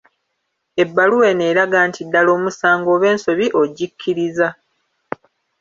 Ebbaluwa eno eraga nti ddala omusango oba ensobi ogikkiriza.